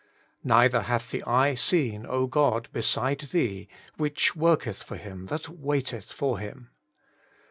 Neither hath the eye seen, O God, beside Thee, which worketh for him that waiteth for Him.'